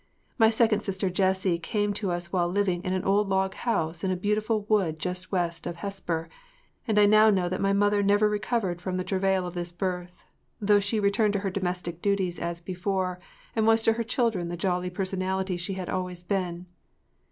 My second sister Jessie came to us while living in an old log house in a beautiful wood just west of Hesper, and I now know that my mother never recovered from the travail of this birth—though she returned to her domestic duties as before and was to her children the jolly personality she had always been.